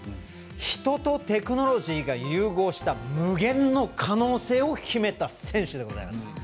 ヒトとテクノロジーが融合した無限の可能性を秘めた選手でございます。